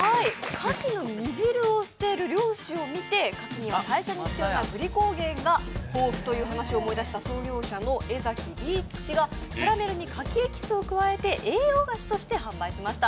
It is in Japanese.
カキの煮汁を捨てる漁師を見てカキには代謝に必要なグリコーゲンが豊富だと、創業者の江崎利一氏がキャラメルに、かきエキスを入れて栄養菓子として販売しました。